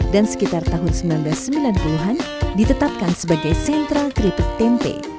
dan sekitar tahun seribu sembilan ratus sembilan puluh an ditetapkan sebagai sentra keripik tempe